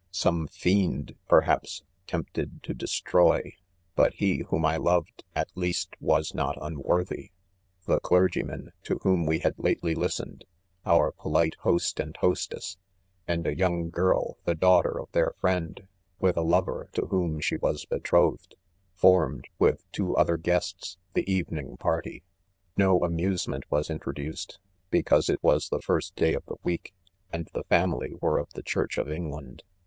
Some fiend, perhaps, tempted to destroy, .but he whom I loved, at least, was not unworthy. l . The clergyman, to whom we had lately listened, our polite host and hostess, and a young girl, the daughter of their friend, with a lover to whom she was betrothed, formed 3 with two other guests, the evening party. 6 No amusement was introduced, because it was the first day of the week, and the family were of the church of England.